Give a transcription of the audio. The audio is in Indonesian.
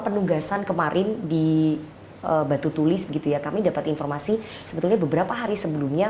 penugasan kemarin di batu tulis begitu ya kami dapat informasi sebetulnya beberapa hari sebelumnya